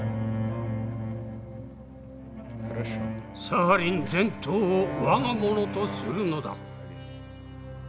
サハリン全島を我がものとするのだ。